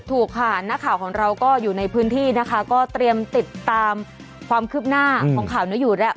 ถูกค่ะนักข่าวของเราก็อยู่ในพื้นที่นะคะก็เตรียมติดตามความคืบหน้าของข่าวนี้อยู่แล้ว